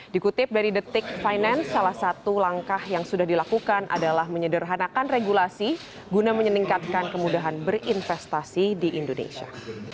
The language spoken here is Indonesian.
dikutip dari detik finance salah satu langkah yang sudah dilakukan adalah menyederhanakan regulasi guna meningkatkan kemudahan berinvestasi di indonesia